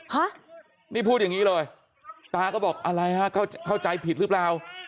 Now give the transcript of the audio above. ฮะนี่พูดอย่างนี้เลยตาก็บอกอะไรฮะเข้าใจผิดหรือเปล่า